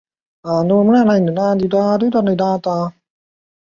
僖宗起崔安潜为检校右仆射。